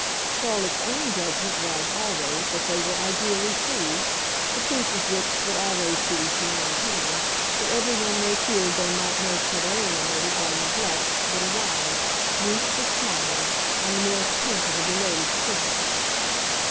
Charlotte's own judgment was, always, that they were ideally free the proof of which would always be, she maintained, that everyone they feared they might most have alienated by neglect would arrive, wreathed with smiles, on the merest hint of a belated signal.